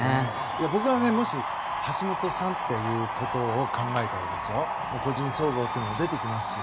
僕は、もし橋本さんということを考えたら個人総合というのが出てきますし